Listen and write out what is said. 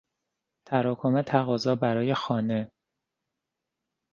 تراکم تقاضا برای خانه